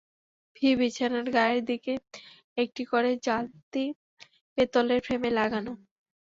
ফি-বিছানার গায়ের দিকে একটি করে জালতি পেতলের ফ্রেমে লাগানো।